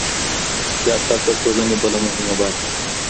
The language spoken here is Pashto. سیاست د ټولني بله مهمه برخه ده.